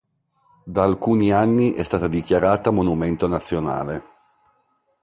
Da alcuni anni è stata dichiarata monumento nazionale.